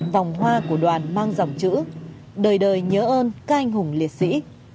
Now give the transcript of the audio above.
vòng hoa của đoàn mang dòng chữ đời đời nhớ ơn các anh hùng liệt sĩ